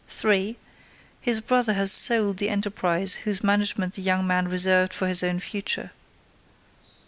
_ (3) _His brother has sold the enterprise whose management the young man reserved for his own future.